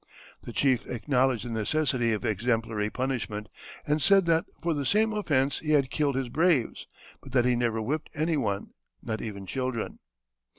The chief acknowledged the necessity of exemplary punishment, and said that for the same offence he had killed his braves, but that he never whipped any one, not even children.